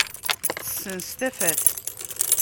Ssens tafat!